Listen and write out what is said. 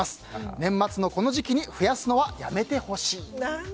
年末のこの時期に増やすのはやめてほしい。